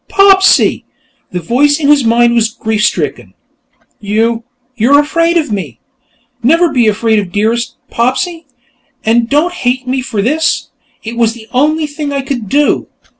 "Popsy!" The voice in his mind was grief stricken. "You.... You're afraid of me! Never be afraid of Dearest, Popsy! And don't hate me for this. It was the only thing I could do.